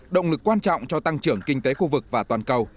động lực quan trọng cho tăng trưởng kinh tế khu vực và toàn cầu